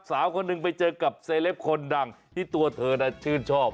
สาวคนหนึ่งไปเจอกับเซลปคนดังที่ตัวเธอน่ะชื่นชอบ